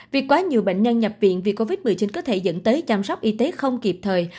việc quá nhiều bệnh nhân nhập viện vì covid một mươi chín có thể dẫn tới chăm sóc y tế không kịp thời